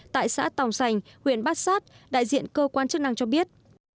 tại xã tòng sành huyện bát sát đại diện cơ quan chức năng cho biết